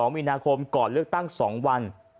มีนาคมก่อนเลือกตั้ง๒วัน